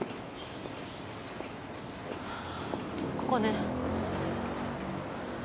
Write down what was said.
ここね。